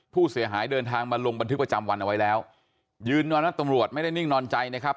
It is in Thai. ผู้เสียหายเดินทางมาลงบันทึกประจำวันเอาไว้แล้วยืนยันว่าตำรวจไม่ได้นิ่งนอนใจนะครับ